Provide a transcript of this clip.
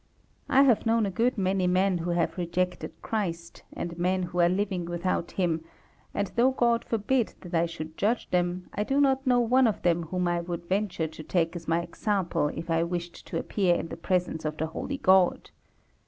I have known a good many men who have rejected Christ, and men who are living without Him, and, though God forbid that I should judge them, I do not know one of them whom I would venture to take as my example if I wished to appear in the presence of the holy God.